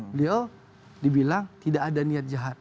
beliau dibilang tidak ada niat jahat